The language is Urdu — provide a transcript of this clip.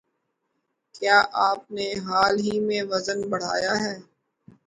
کیا آپ نے حال ہی میں وزن بڑهایا ہے